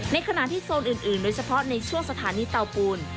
ในขณะที่โซนอื่นโดยเฉพาะในช่วงสถานีเตาปูน